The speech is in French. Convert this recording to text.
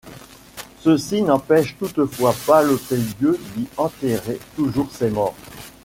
Ceci n'empêche toutefois pas l'Hôtel-Dieu d'y enterrer toujours ses morts.